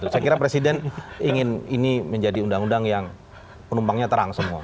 saya kira presiden ingin ini menjadi undang undang yang penumpangnya terang semua